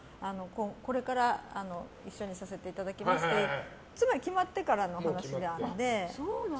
これから一緒にさせていただきますってつまり決まってからの話なので。